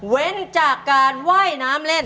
เว้นจากการว่ายน้ำเล่น